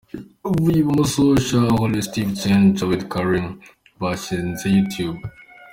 Uvuye ibumoso: Chad Hurley, Steve Chen na Jawed karim, bashinze Youtube .